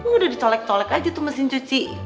udah dicolek colek aja tuh mesin cuci